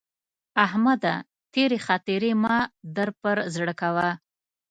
احمده! تېرې خاطرې مه در پر زړه کوه.